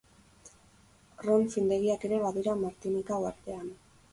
Ron findegiak ere badira Martinika uhartean.